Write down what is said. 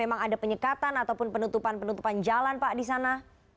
memang ada penyekatan ataupun penutupan penutupan jalan pak di sana